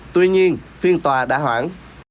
tuy nhiên phiên tòa đã hoãn